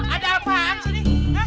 ada apaan sini